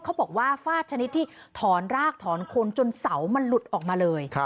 เขาบอกว่าฟาดชนิดที่ถอนรากถอนคนจนเสามันหลุดออกมาเลย